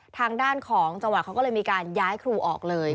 ทางด้านของจังหวัดเขาก็เลยมีการย้ายครูออกเลย